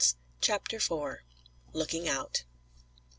CHAPTER IV. LOOKING OUT.